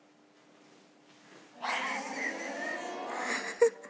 フフフフ！